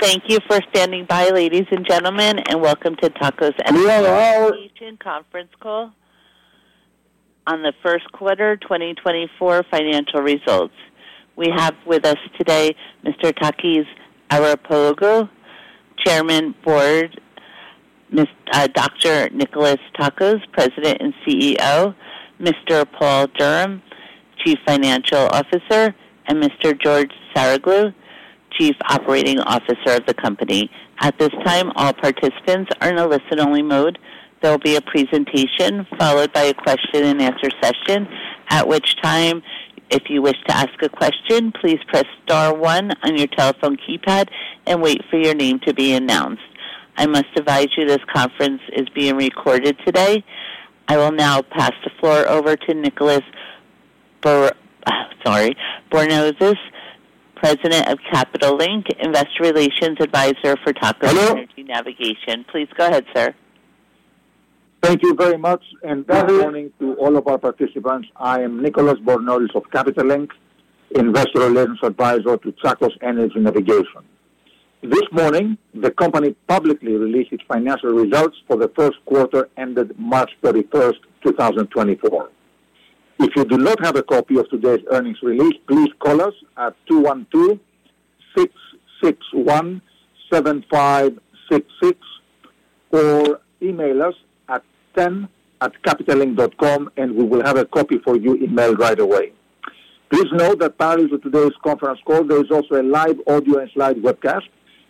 Thank you for standing by, ladies and gentlemen, and welcome to Tsakos Energy Navigation Conference Call on the Q1 2024 financial results. We have with us today Mr. Takis Arapoglou, Chairman of the Board, Nikolas Tsakos, President and CEO, Mr. Paul Durham, Chief Financial Officer, and Mr. George Saroglou, Chief Operating Officer of the company. At this time, all participants are in a listen-only mode. There will be a presentation followed by a question-and-answer session, at which time, if you wish to ask a question, please press star one on your telephone keypad and wait for your name to be announced. I must advise you this conference is being recorded today. I will now pass the floor over to Nicolas Bornozis, President of Capital Link, Investor Relations Advisor for Tsakos Energy Navigation. Please go ahead, sir. Thank you very much, and good morning to all of our participants. I am Nicolas Bornozis of Capital Link, Investor Relations Advisor to Tsakos Energy Navigation. This morning, the company publicly released its financial results for the Q1 ended March 31st, 2024. If you do not have a copy of today's earnings release, please call us at 212-661-7566 or email us at ir@capital-link.com, and we will have a copy for you emailed right away. Please note that parallel to today's conference call, there is also a live audio and slide webcast,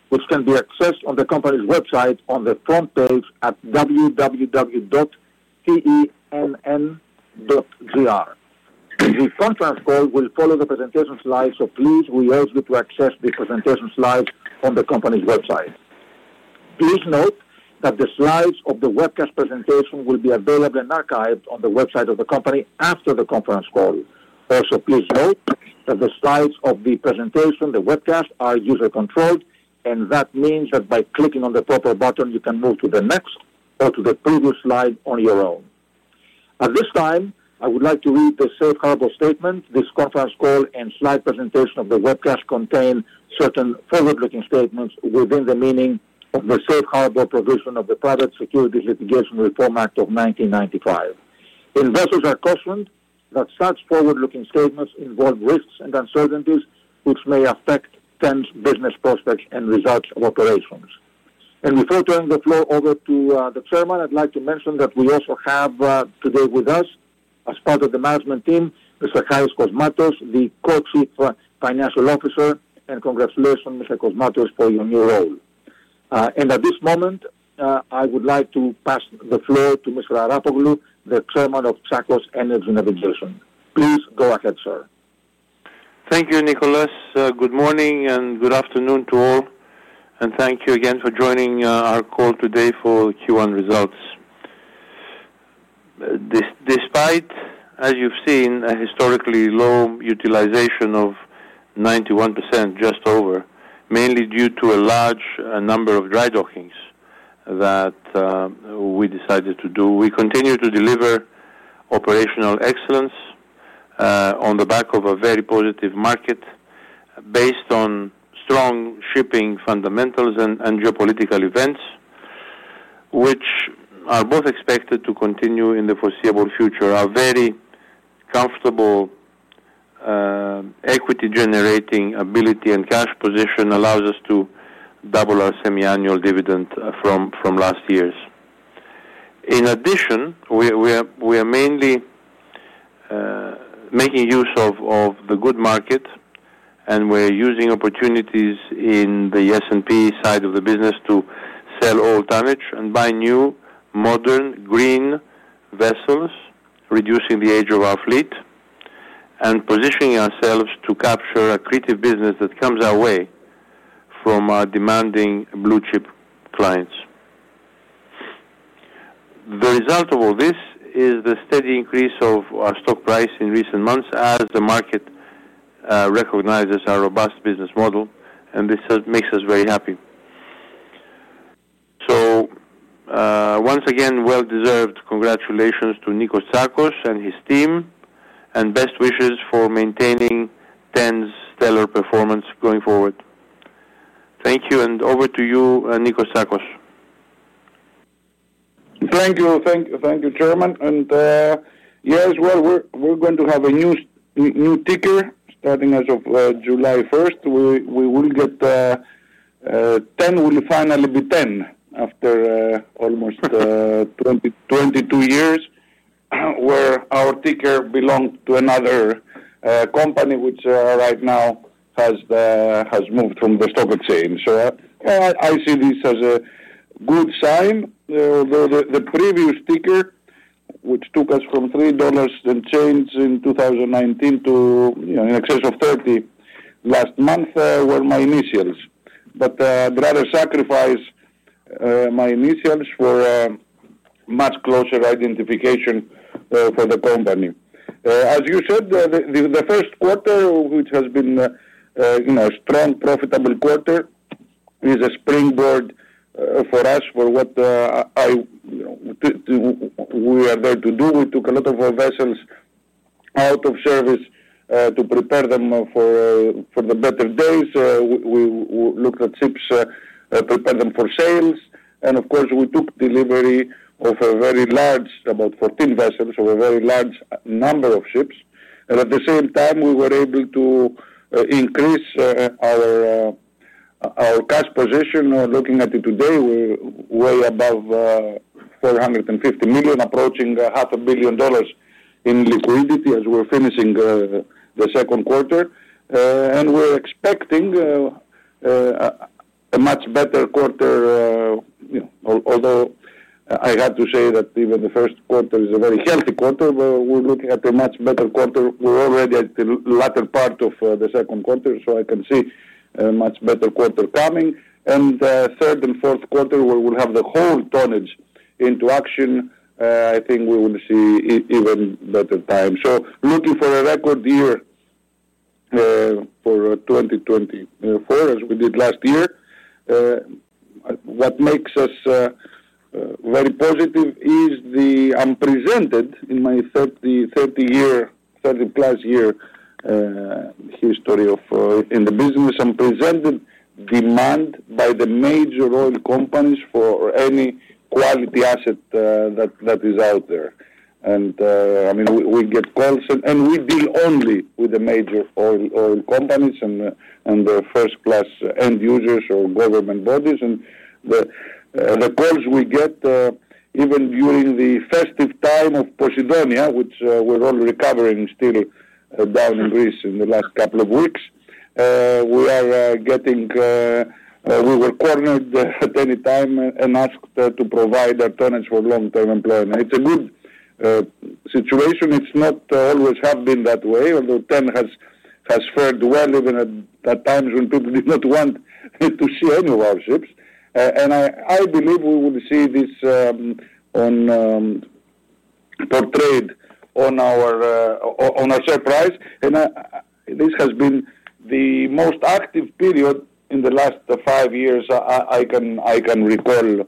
which can be accessed on the company's website on the front page at www.tenn.gr. The conference call will follow the presentation slides, so please be able to access the presentation slides on the company's website. Please note that the slides of the webcast presentation will be available and archived on the website of the company after the conference call. Also, please note that the slides of the presentation, the webcast, are user-controlled, and that means that by clicking on the proper button, you can move to the next or to the previous slide on your own. At this time, I would like to read the safe harbor statement. This conference call and slide presentation of the webcast contain certain forward-looking statements within the meaning of the safe harbor provision of the Private Securities Litigation Reform Act of 1995. Investors are cautioned that such forward-looking statements involve risks and uncertainties which may affect TEN's business prospects and results of operations. Before turning the floor over to the chairman, I'd like to mention that we also have today with us, as part of the management team, Mr. Haris Kosmatos, the Co-Chief Financial Officer, and congratulations, Mr. Kosmatos, for your new role. At this moment, I would like to pass the floor to Mr. Arapoglou, the Chairman of Tsakos Energy Navigation. Please go ahead, sir. Thank you, Nicolas. Good morning and good afternoon to all, and thank you again for joining our call today for Q1 results. Despite, as you've seen, a historically low utilization of 91%, just over, mainly due to a large number of dry dockings that we decided to do, we continue to deliver operational excellence on the back of a very positive market based on strong shipping fundamentals and geopolitical events, which are both expected to continue in the foreseeable future. Our very comfortable equity-generating ability and cash position allows us to double our semi-annual dividend from last year's. In addition, we are mainly making use of the good market, and we're using opportunities in the S&P side of the business to sell old tonnage and buy new, modern, green vessels, reducing the age of our fleet and positioning ourselves to capture a creative business that comes our way from our demanding blue chip clients. The result of all this is the steady increase of our stock price in recent months as the market recognizes our robust business model, and this makes us very happy. So once again, well-deserved congratulations to Nikolas Tsakos and his team, and best wishes for maintaining TEN's stellar performance going forward. Thank you, and over to you, Nikolas Tsakos. Thank you, thank you, Chairman. And yeah, as well, we're going to have a new ticker starting as of July 1st. We will get TEN; we'll finally be TEN after almost 22 years where our ticker belonged to another company, which right now has moved from the stock exchange. So I see this as a good sign, although the previous ticker, which took us from $3 and change in 2019 to, you know, in excess of $30 last month, were my initials. But I'd rather sacrifice my initials for much closer identification for the company. As you said, the Q1, which has been a strong, profitable quarter, is a springboard for us for what we are there to do. We took a lot of vessels out of service to prepare them for the better days. We looked at ships, prepared them for sales, and of course, we took delivery of a very large, about 14 vessels, of a very large number of ships. At the same time, we were able to increase our cash position. Looking at it today, we're way above $450 million, approaching $500 million in liquidity as we're finishing the Q2. We're expecting a much better quarter, although I have to say that even the Q1 is a very healthy quarter, but we're looking at a much better quarter. We're already at the latter part of the Q2, so I can see a much better quarter coming. Q3 and Q4, where we'll have the whole tonnage into action, I think we will see even better times. So looking for a record year for 2024, as we did last year, what makes us very positive is the unprecedented, in my 30-year, 30-plus year history in the business, unprecedented demand by the major oil companies for any quality asset that is out there. And I mean, we get calls, and we deal only with the major oil companies and the first-class end users or government bodies. And the calls we get, even during the festive time of Posidonia, which we're all recovering still down in Greece in the last couple of weeks, we are getting we were cornered at any time and asked to provide our tonnage for long-term employment. It's a good situation. It's not always have been that way, although TEN has fared well, even at times when people did not want to see any of our ships. I believe we will see this portrayed on our share price. This has been the most active period in the last five years I can recall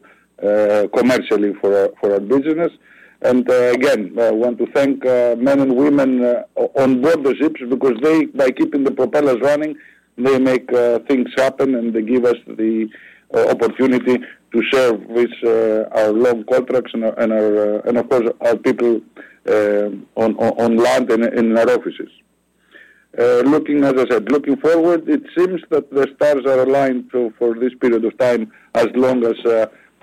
commercially for our business. Again, I want to thank men and women on board the ships because they, by keeping the propellers running, they make things happen and they give us the opportunity to serve with our long contracts and, of course, our people on land and in our offices. Looking, as I said, looking forward, it seems that the stars are aligned for this period of time as long as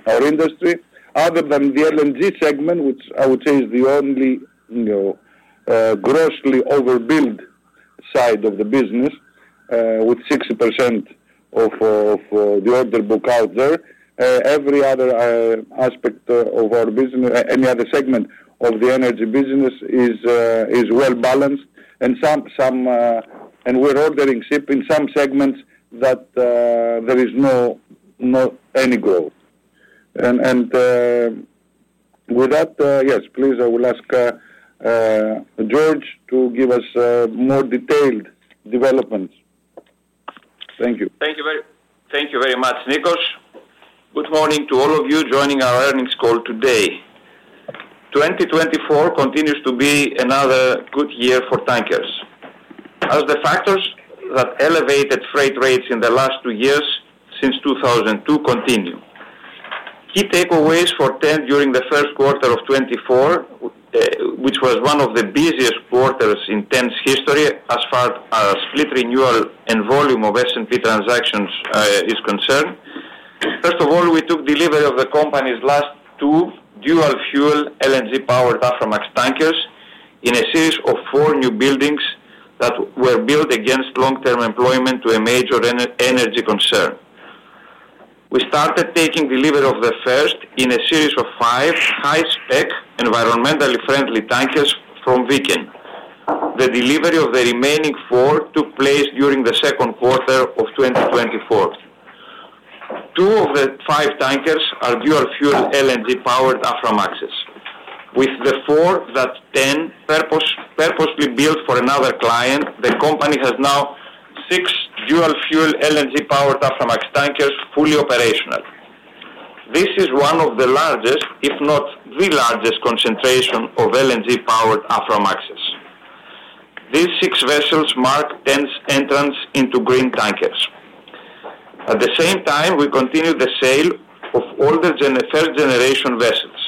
our industry, other than the LNG segment, which I would say is the only grossly overbuilt side of the business, with 60% of the order book out there. Every other aspect of our business, any other segment of the energy business, is well balanced. We're ordering ships in some segments that there is no any growth. With that, yes, please, I will ask George to give us more detailed developments. Thank you. Thank you very much, Nikolas. Good morning to all of you joining our earnings call today. 2024 continues to be another good year for tankers, as the factors that elevated freight rates in the last two years since 2022 continue. Key takeaways for TEN during the Q1 of 2024, which was one of the busiest quarters in TEN's history as far as fleet renewal and volume of S&P transactions is concerned. First of all, we took delivery of the company's last two dual-fuel LNG-powered Aframax tankers in a series of four newbuildings that were built against long-term employment to a major energy concern. We started taking delivery of the first in a series of five high-spec, environmentally friendly tankers from Viken. The delivery of the remaining four took place during the Q2 of 2024. Two of the five tankers are dual-fuel LNG-powered Aframaxes. With the 4 that TEN purposely built for another client, the company has now 6 dual-fuel LNG-powered Aframax tankers fully operational. This is one of the largest, if not the largest, concentration of LNG-powered Aframaxes. These 6 vessels mark TEN's entrance into green tankers. At the same time, we continue the sale of older third-generation vessels.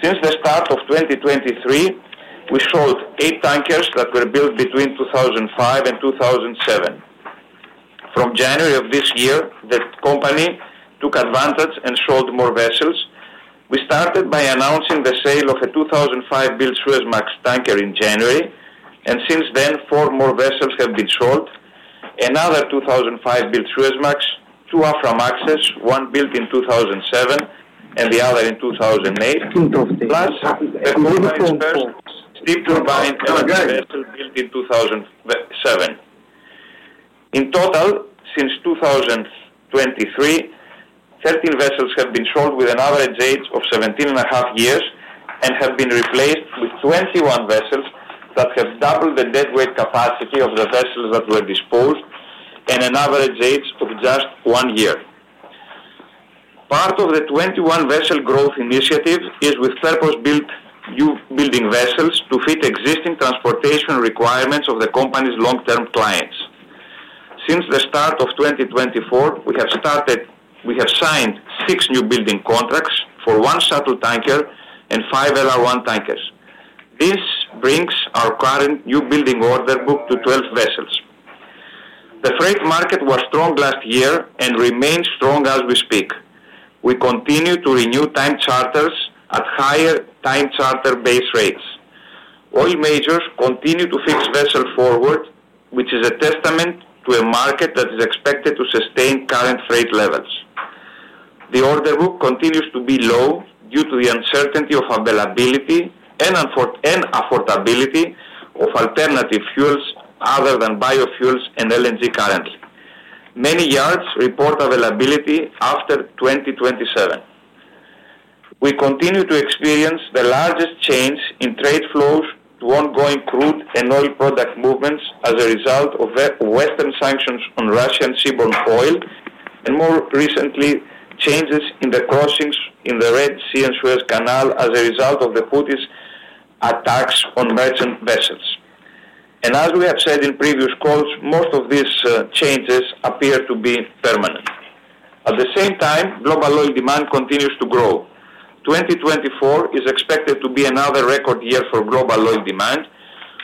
Since the start of 2023, we sold 8 tankers that were built between 2005 and 2007. From January of this year, the company took advantage and sold more vessels. We started by announcing the sale of a 2005-built Suezmax tanker in January, and since then, 4 more vessels have been sold. Another 2005-built Suezmax, 2 Aframaxes, one built in 2007 and the other in 2008, plus a 2004 steam turbine LNG vessel built in 2007. In total, since 2023, 13 vessels have been sold with an average age of 17.5 years and have been replaced with 21 vessels that have doubled the deadweight capacity of the vessels that were disposed and an average age of just 1 year. Part of the 21-vessel growth initiative is with purpose-built newbuilding vessels to fit existing transportation requirements of the company's long-term clients. Since the start of 2024, we have signed 6 newbuilding contracts for 1 shuttle tanker and 5 LR1 tankers. This brings our current newbuilding order book to 12 vessels. The freight market was strong last year and remains strong as we speak. We continue to renew time charters at higher time charter base rates. Oil majors continue to fix vessel forward, which is a testament to a market that is expected to sustain current freight levels. The order book continues to be low due to the uncertainty of availability and affordability of alternative fuels other than biofuels and LNG currently. Many yards report availability after 2027. We continue to experience the largest change in trade flows to ongoing crude and oil product movements as a result of Western sanctions on Russian seaborne oil and, more recently, changes in the crossings in the Red Sea and Suez Canal as a result of the Houthis' attacks on merchant vessels. And as we have said in previous calls, most of these changes appear to be permanent. At the same time, global oil demand continues to grow. 2024 is expected to be another record year for global oil demand.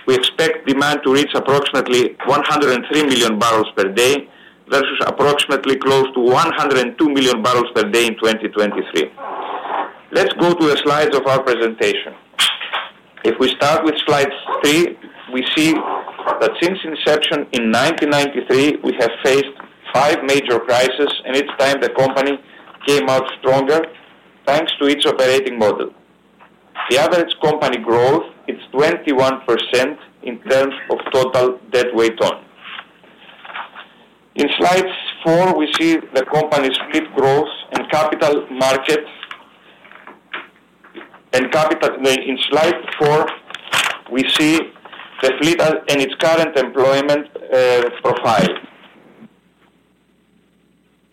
We expect demand to reach approximately 103 million barrels per day versus approximately close to 102 million barrels per day in 2023. Let's go to the slides of our presentation. If we start with slide 3, we see that since inception in 1993, we have faced 5 major crises, and each time the company came out stronger thanks to its operating model. The average company growth is 21% in terms of total deadweight tonnage. In slide 4, we see the company's fleet growth and capital market. In slide 4, we see the fleet and its current employment profile.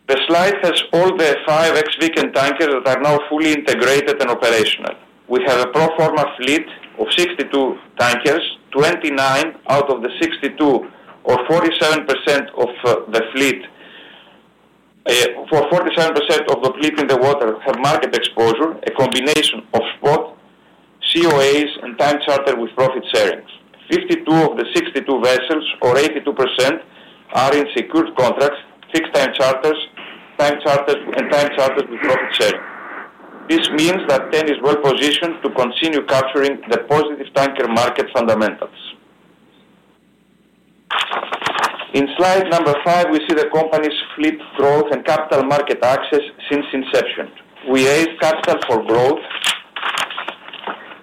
The slide has all the 5 ex-Viken tankers that are now fully integrated and operational. We have a pro forma fleet of 62 tankers. 29 out of the 62, or 47% of the fleet, or 47% of the fleet in the water have market exposure, a combination of spot, COAs, and time charter with profit sharing. 52 of the 62 vessels, or 82%, are in secured contracts, fixed time charters, and time charters with profit sharing. This means that TEN is well positioned to continue capturing the positive tanker market fundamentals. In slide number 5, we see the company's fleet growth and capital market access since inception. We raised capital for growth,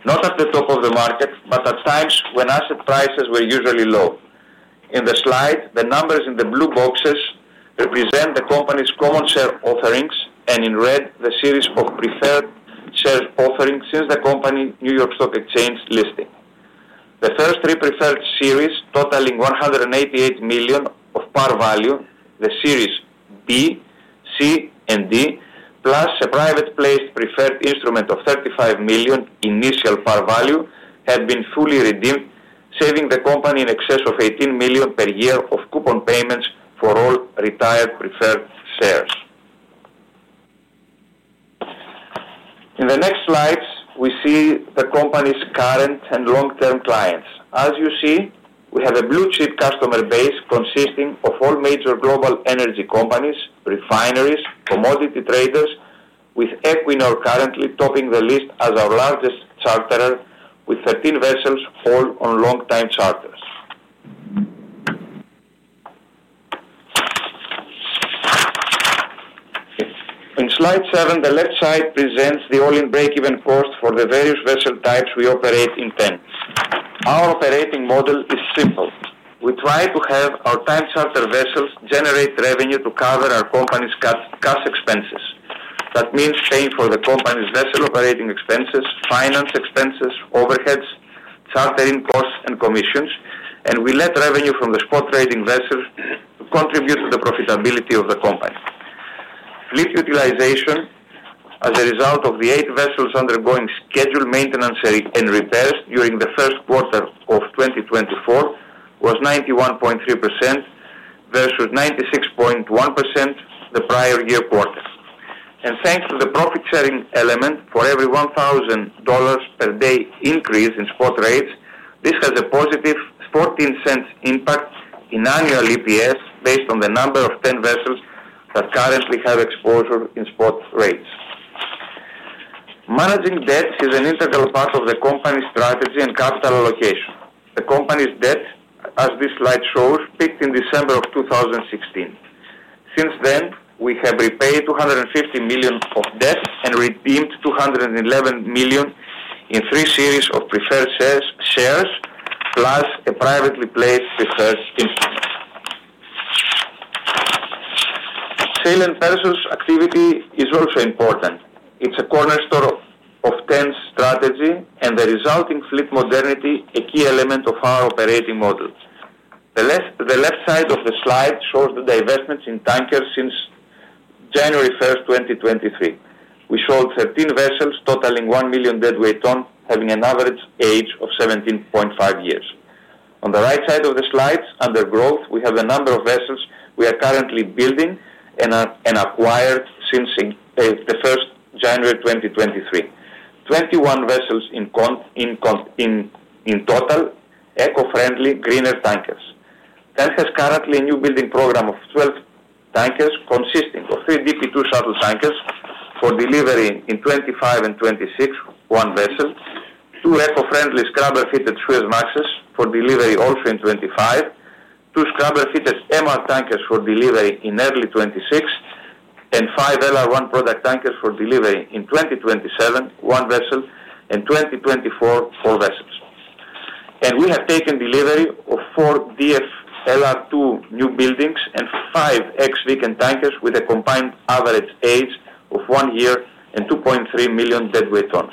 not at the top of the market, but at times when asset prices were usually low. In the slide, the numbers in the blue boxes represent the company's common share offerings, and in red, the series of preferred share offerings since the company New York Stock Exchange listing. The first three preferred series, totaling $188 million of par value, the Series B, C, and D, plus a private-placed preferred instrument of $35 million initial par value, have been fully redeemed, saving the company in excess of $18 million per year of coupon payments for all retired preferred shares. In the next slides, we see the company's current and long-term clients. As you see, we have a blue-chip customer base consisting of all major global energy companies, refineries, commodity traders, with Equinor currently topping the list as our largest charterer, with 13 vessels all on long-term charters. In slide 7, the left side presents the all-in-break-even cost for the various vessel types we operate in 2024. Our operating model is simple. We try to have our time charter vessels generate revenue to cover our company's cash expenses. That means paying for the company's vessel operating expenses, finance expenses, overheads, chartering costs, and commissions, and we let revenue from the spot trading vessels contribute to the profitability of the company. Fleet utilization, as a result of the 8 vessels undergoing scheduled maintenance and repairs during the Q1 of 2024, was 91.3% versus 96.1% the prior-year quarter. Thanks to the profit sharing element for every $1,000 per day increase in spot rates, this has a positive $0.14 impact in annual EPS based on the number of TEN vessels that currently have exposure in spot rates. Managing debts is an integral part of the company's strategy and capital allocation. The company's debt, as this slide shows, peaked in December of 2016. Since then, we have repaid $250 million of debt and redeemed $211 million in three series of preferred shares, plus a privately placed preferred instrument. Sale and purchase activity is also important. It's a cornerstone of TEN's strategy and the resulting fleet modernity, a key element of our operating model. The left side of the slide shows the divestments in tankers since January 1st, 2023. We sold 13 vessels, totaling 1 million deadweight tons, having an average age of 17.5 years. On the right side of the slide, under growth, we have the number of vessels we are currently building and acquired since the 1st of January 2023. 21 vessels in total, eco-friendly, greener tankers. TEN has currently a newbuilding program of 12 tankers consisting of 3 DP2 shuttle tankers for delivery in 2025 and 2026, one vessel, 2 eco-friendly scrubber-fitted Suezmaxes for delivery also in 2025, 2 scrubber-fitted MR tankers for delivery in early 2026, and 5 LR1 product tankers for delivery in 2027, one vessel, and 2024, 4 vessels. We have taken delivery of 4 DF LR2 newbuildings and 5 ex-Viken tankers with a combined average age of 1 year and 2.3 million deadweight tons.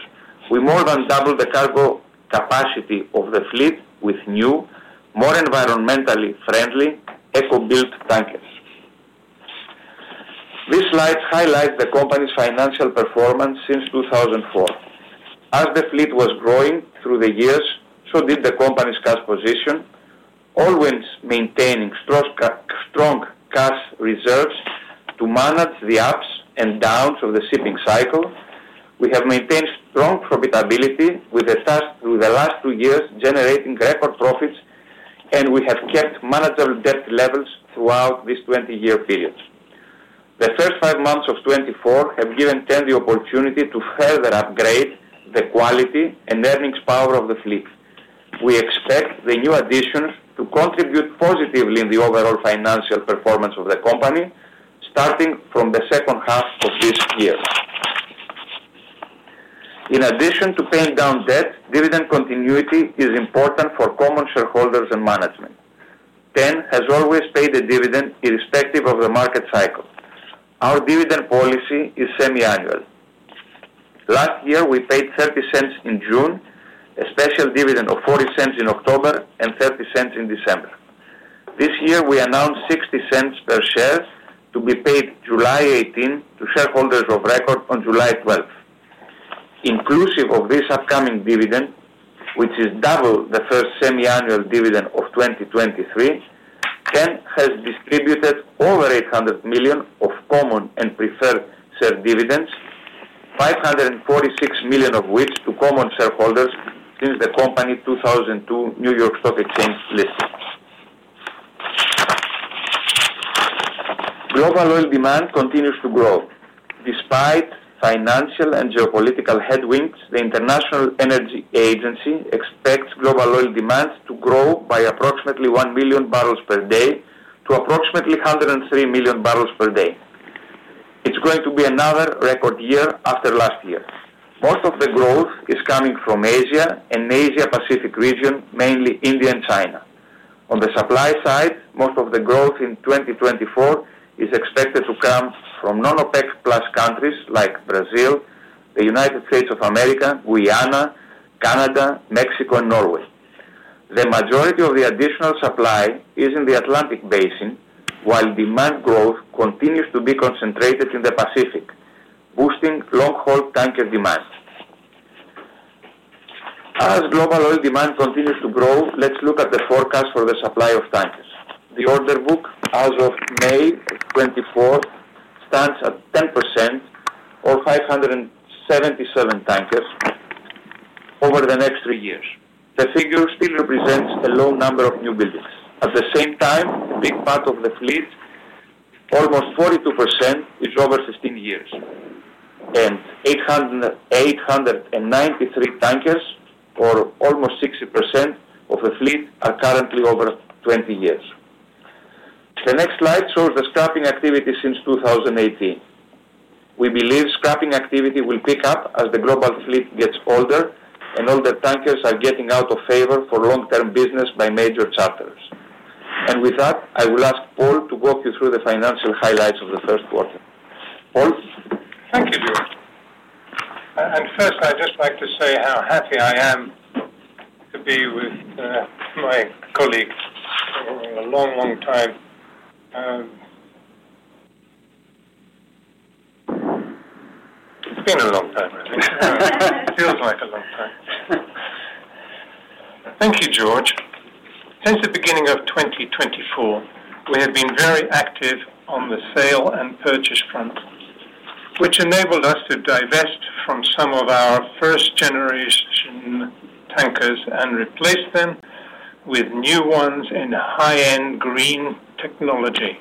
We more than doubled the cargo capacity of the fleet with new, more environmentally friendly, eco-built tankers. This slide highlights the company's financial performance since 2004. As the fleet was growing through the years, so did the company's cash position, always maintaining strong cash reserves to manage the ups and downs of the shipping cycle. We have maintained strong profitability with the last two years, generating record profits, and we have kept manageable debt levels throughout this 20-year period. The first five months of 2024 have given TEN the opportunity to further upgrade the quality and earnings power of the fleet. We expect the new additions to contribute positively in the overall financial performance of the company, starting from the second half of this year. In addition to paying down debt, dividend continuity is important for common shareholders and management. TEN has always paid a dividend irrespective of the market cycle. Our dividend policy is semi-annual. Last year, we paid $0.30 in June, a special dividend of $0.40 in October, and $0.30 in December. This year, we announced $0.60 per share to be paid July 18 to shareholders of record on July 12th. Inclusive of this upcoming dividend, which is double the first semi-annual dividend of 2023, TEN has distributed over $800 million of common and preferred share dividends, $546 million of which to common shareholders since the company 2002 New York Stock Exchange listing. Global oil demand continues to grow. Despite financial and geopolitical headwinds, the International Energy Agency expects global oil demand to grow by approximately 1 million barrels per day to approximately 103 million barrels per day. It's going to be another record year after last year. Most of the growth is coming from Asia and Asia-Pacific region, mainly India and China. On the supply side, most of the growth in 2024 is expected to come from non-OPEC+ countries like Brazil, the United States of America, Guyana, Canada, Mexico, and Norway. The majority of the additional supply is in the Atlantic Basin, while demand growth continues to be concentrated in the Pacific, boosting long-haul tanker demand. As global oil demand continues to grow, let's look at the forecast for the supply of tankers. The order book as of May 24th stands at 10% or 577 tankers over the next three years. The figure still represents a low number of new buildings. At the same time, a big part of the fleet, almost 42%, is over 15 years, and 893 tankers, or almost 60% of the fleet, are currently over 20 years. The next slide shows the scrapping activity since 2018. We believe scrapping activity will pick up as the global fleet gets older and older tankers are getting out of favor for long-term business by major charters. And with that, I will ask Paul to walk you through the financial highlights of the Q1. Paul? Thank you, George. And first, I'd just like to say how happy I am to be with my colleagues for a long, long time. It's been a long time, really. It feels like a long time. Thank you, George. Since the beginning of 2024, we have been very active on the sale and purchase front, which enabled us to divest from some of our first-generation tankers and replace them with new ones in high-end green technology.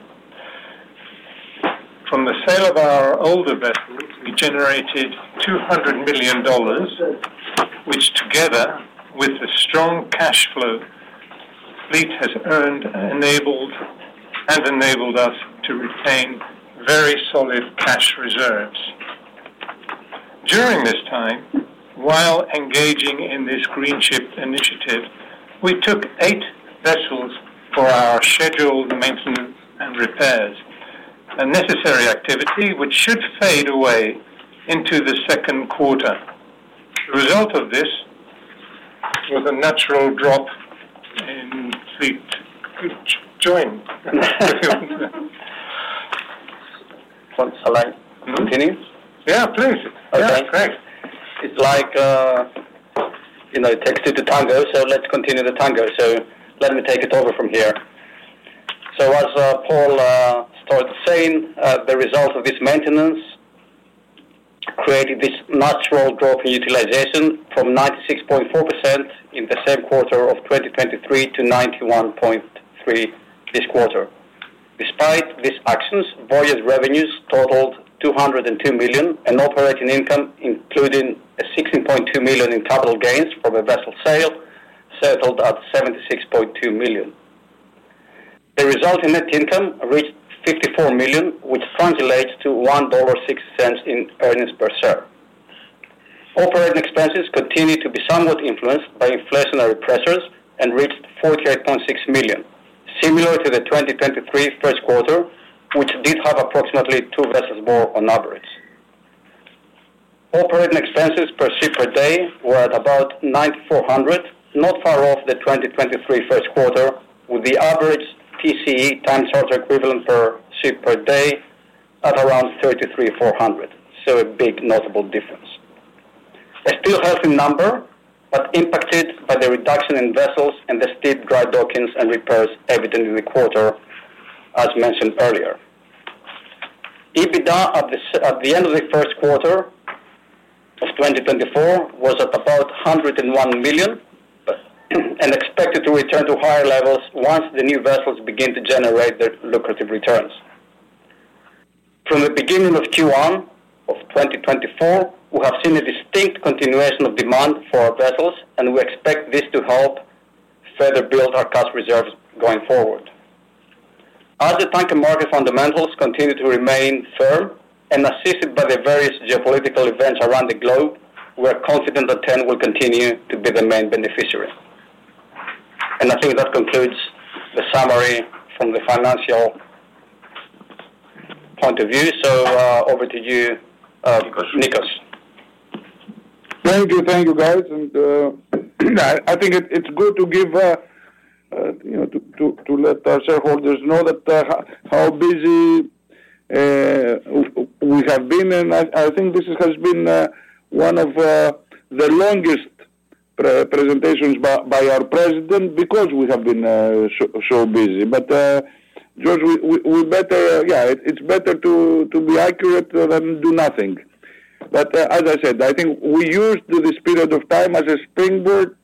From the sale of our older vessels, we generated $200 million, which together with the strong cash flow the fleet has earned and enabled us to retain very solid cash reserves. During this time, while engaging in this green-ship initiative, we took eight vessels for our scheduled maintenance and repairs, a necessary activity which should fade away into the Q2. The result of this was a natural drop in fleet utilization. So shall I continue? Yeah, please. Okay. Great. It's like it takes two to tango, so let's continue the tango. So let me take it over from here. So as Paul started saying, the result of this maintenance created this natural drop in utilization from 96.4% in the same quarter of 2023 to 91.3% this quarter. Despite these actions, Voyage revenues totaled $202 million, and operating income, including $16.2 million in capital gains from a vessel sale, settled at $76.2 million. The resulting net income reached $54 million, which translates to $1.06 in earnings per share. Operating expenses continued to be somewhat influenced by inflationary pressures and reached $48.6 million, similar to the 2023 Q1, which did have approximately two vessels more on average. Operating expenses per ship per day were at about 9,400, not far off the 2023 first quarter, with the average TCE time charter equivalent per ship per day at around 33,400. So a big notable difference. A still healthy number, but impacted by the reduction in vessels and the steep drydocking and repairs evident in the quarter, as mentioned earlier. EBITDA at the end of the Q1 of 2024 was at about $101 million and expected to return to higher levels once the new vessels begin to generate their lucrative returns. From the beginning of Q1 of 2024, we have seen a distinct continuation of demand for our vessels, and we expect this to help further build our cash reserves going forward. As the tanker market fundamentals continue to remain firm and assisted by the various geopolitical events around the globe, we are confident that TEN will continue to be the main beneficiary. I think that concludes the summary from the financial point of view. So over to you, Nikos. Thank you. Thank you, guys. I think it's good to let our shareholders know how busy we have been. I think this has been one of the longest presentations by our president because we have been so busy. But, George, yeah, it's better to be accurate than do nothing. But as I said, I think we used this period of time as a springboard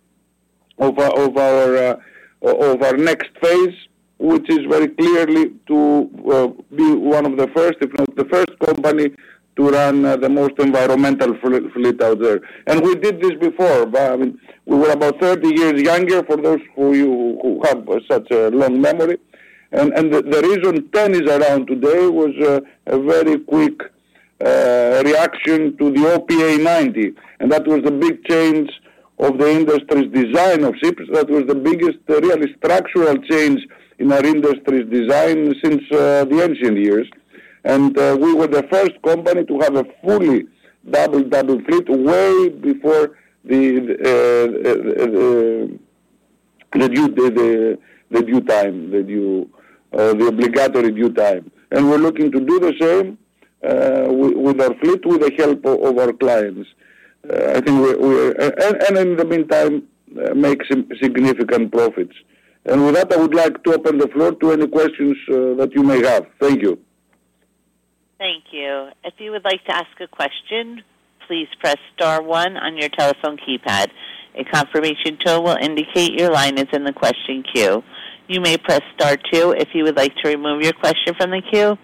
of our next phase, which is very clearly to be one of the first, if not the first company to run the most environmental fleet out there. And we did this before. I mean, we were about 30 years younger for those who have such a long memory. And the reason TEN is around today was a very quick reaction to the OPA 90. And that was the big change of the industry's design of ships. That was the biggest really structural change in our industry's design since the ancient years. We were the first company to have a fully double-hulled fleet way before the due time, the obligatory due time. We're looking to do the same with our fleet with the help of our clients. I think we're—and in the meantime, make significant profits. With that, I would like to open the floor to any questions that you may have. Thank you. Thank you. If you would like to ask a question, please press star one on your telephone keypad. A confirmation tone will indicate your line is in the question queue. You may press star two if you would like to remove your question from the queue.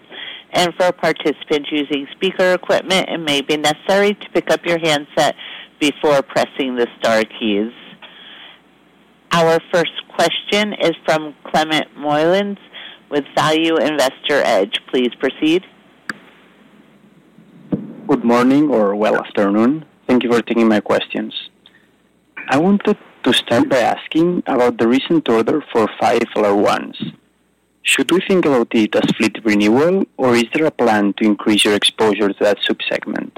For participants using speaker equipment, it may be necessary to pick up your handset before pressing the star keys. Our first question is from Clement Mollins with Value Investor's Edge. Please proceed. Good morning or well afternoon. Thank you for taking my questions. I wanted to start by asking about the recent order for 5 LR1s. Should we think about it as fleet renewal, or is there a plan to increase your exposure to that subsegment?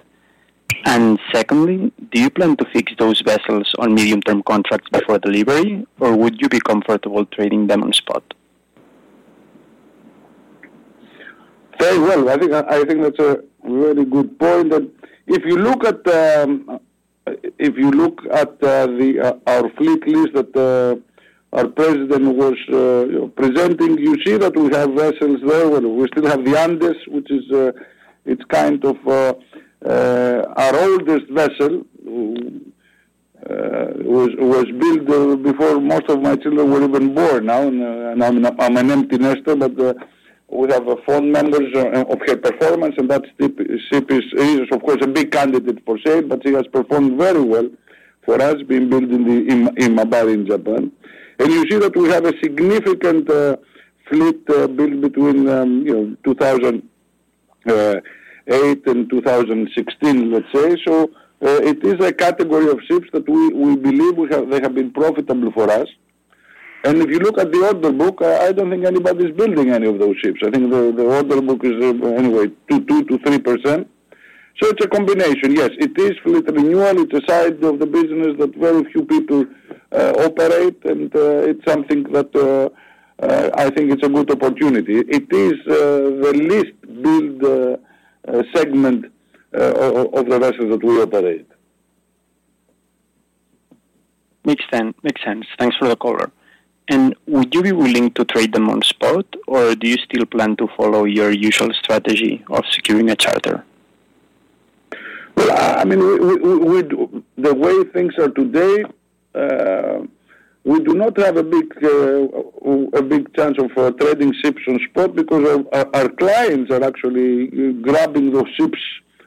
And secondly, do you plan to fix those vessels on medium-term contracts before delivery, or would you be comfortable trading them on spot? Very well. I think that's a really good point. If you look at our fleet list that our president was presenting, you see that we have vessels there. We still have the Andes, which is kind of our oldest vessel that was built before most of my children were even born. Now, I'm an empty nester, but we have fond memories of her performance, and that ship is, of course, a big candidate for sale, but she has performed very well for us being built in Imabari, in Japan. And you see that we have a significant fleet built between 2008 and 2016, let's say. So it is a category of ships that we believe they have been profitable for us. And if you look at the order book, I don't think anybody's building any of those ships. I think the order book is, anyway, 2%-3%. So it's a combination. Yes, it is fleet renewal. It's a side of the business that very few people operate, and it's something that I think is a good opportunity. It is the least-built segment of the vessels that we operate. Makes sense. Makes sense. Thanks for the color. Would you be willing to trade them on spot, or do you still plan to follow your usual strategy of securing a charter? Well, I mean, the way things are today, we do not have a big chance of trading ships on spot because our clients are actually grabbing those ships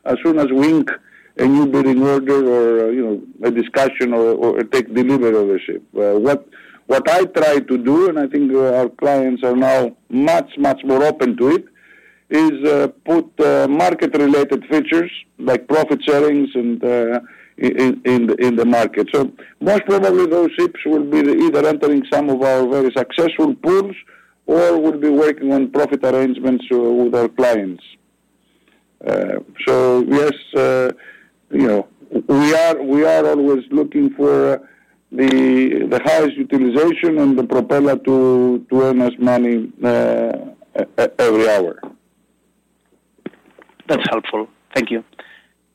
as soon as we ink a newbuilding order or a discussion or take delivery of the ship. What I try to do, and I think our clients are now much, much more open to it, is put market-related features like profit-sharing in the market. So most probably, those ships will be either entering some of our very successful pools or will be working on profit arrangements with our clients. So yes, we are always looking for the highest utilization and the proper way to earn us money every hour. That's helpful. Thank you.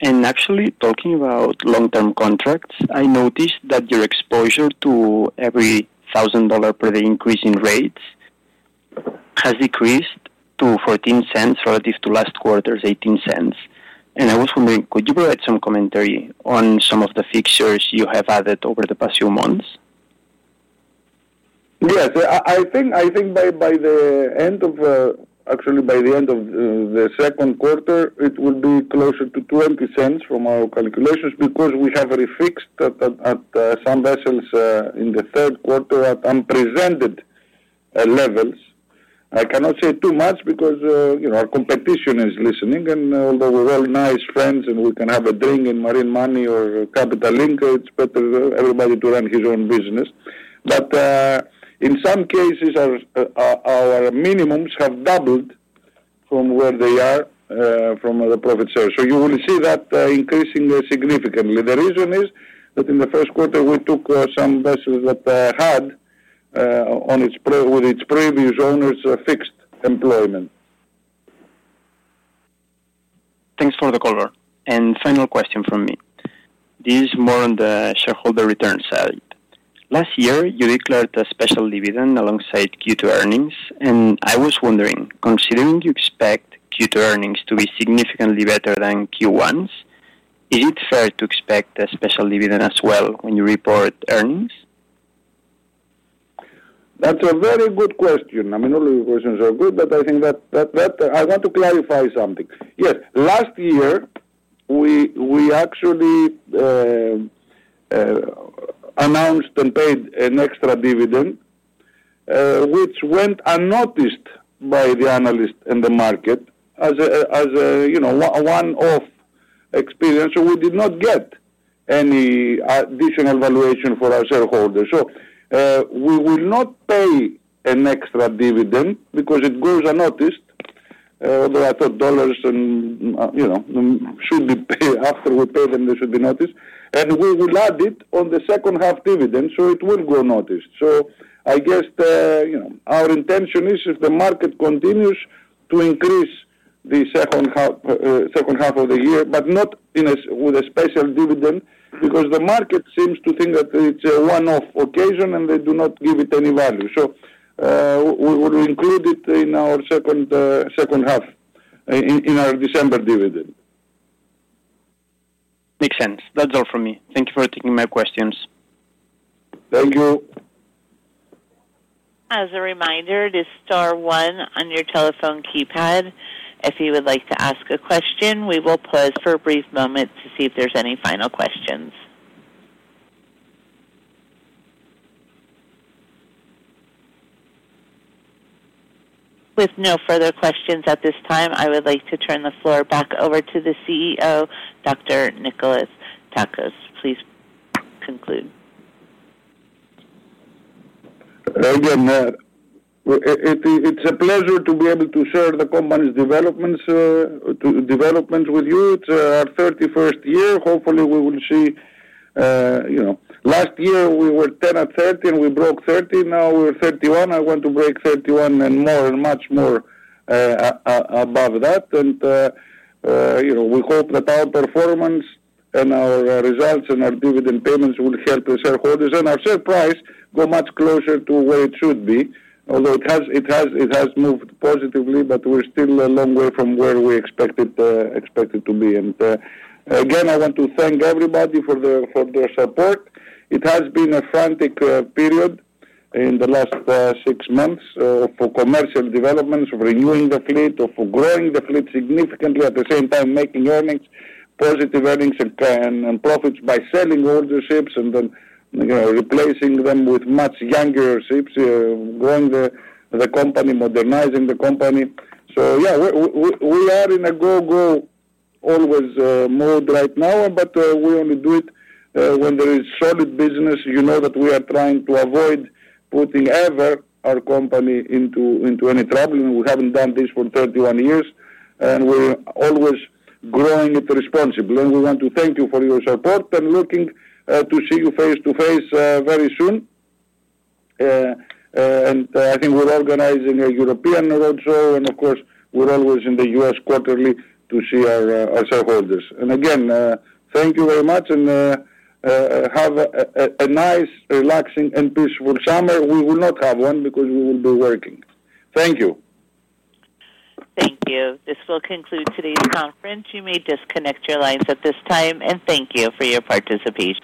Actually, talking about long-term contracts, I noticed that your exposure to every $1,000 per day increase in rates has decreased to $0.14 relative to last quarter's $0.18. I was wondering, could you provide some commentary on some of the fixtures you have added over the past few months? Yes. I think by the end of, actually, by the end of the Q2, it will be closer to $0.20 from our calculations because we have refixed at some vessels in the Q3 at unprecedented levels. I cannot say too much because our competition is listening, and although we're all nice friends and we can have a drink in Marine Money or Capital Link, it's better for everybody to run his own business. But in some cases, our minimums have doubled from where they are from the profit share. So you will see that increasing significantly. The reason is that in the Q1, we took some vessels that had, with its previous owners, fixed employment. Thanks for the color. And final question from me. This is more on the shareholder return side. Last year, you declared a special dividend alongside Q2 earnings, and I was wondering, considering you expect Q2 earnings to be significantly better than Q1's, is it fair to expect a special dividend as well when you report earnings? That's a very good question. I mean, all of your questions are good, but I think that I want to clarify something. Yes. Last year, we actually announced and paid an extra dividend, which went unnoticed by the analysts and the market as a one-off experience. So we did not get any additional valuation for our shareholders. So, we will not pay an extra dividend because it goes unnoticed, although I thought dollars should be paid after we pay them. There should be notice. We will add it on the second-half dividend, so it will go noticed. So, I guess our intention is, if the market continues to increase the second half of the year, but not with a special dividend because the market seems to think that it's a one-off occasion, and they do not give it any value. So, we will include it in our second half, in our December dividend. Makes sense. That's all from me. Thank you for taking my questions. Thank you. As a reminder, this is star one on your telephone keypad. If you would like to ask a question, we will pause for a brief moment to see if there's any final questions. With no further questions at this time, I would like to turn the floor back over to the CEO, Dr. Nikolas Tsakos. Please conclude. Again, it's a pleasure to be able to share the company's developments with you. It's our 31st year. Hopefully, we will see last year, we were TEN at 30, and we broke 30. Now we're 31. I want to break 31 and more and much more above that. We hope that our performance and our results and our dividend payments will help the shareholders and our share price go much closer to where it should be. Although it has moved positively, we're still a long way from where we expected to be. Again, I want to thank everybody for their support. It has been a frantic period in the last six months for commercial developments of renewing the fleet, of growing the fleet significantly, at the same time making earnings, positive earnings and profits by selling older ships and then replacing them with much younger ships, growing the company, modernizing the company. So yeah, we are in a go-go always mode right now, but we only do it when there is solid business. You know that we are trying to avoid putting ever our company into any trouble. We haven't done this for 31 years, and we're always growing it responsibly. And we want to thank you for your support and looking to see you face to face very soon. And I think we're organizing a European roadshow, and of course, we're always in the U.S. quarterly to see our shareholders. And again, thank you very much, and have a nice, relaxing, and peaceful summer. We will not have one because we will be working. Thank you. Thank you. This will conclude today's conference. You may disconnect your lines at this time, and thank you for your participation.